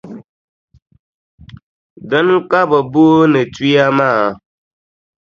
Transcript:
Dina ka bɛ booni tuya maa.